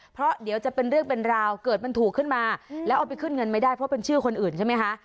เพราะเดี๋ยวจะเป็นเรื่องเป็นราวเกิดมันถูกขึ้นมาแล้วเอาไปขึ้นเงินไม่ได้เพราะเป็นชื่อคนอื่นใช่ไหมคะ